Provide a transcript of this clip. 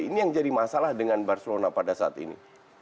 ini yang jadi masalah dengan barcelona pada saat ini